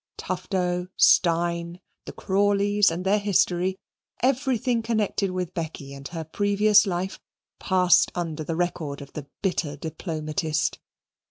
Tufto, Steyne, the Crawleys, and their history everything connected with Becky and her previous life passed under the record of the bitter diplomatist.